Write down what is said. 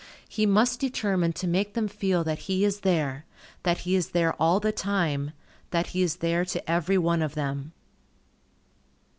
He must determine to make them feel that he is there, that he is there all the time, that he is there to every one of them.